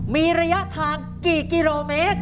มีระยะทางกี่กิโลเมตร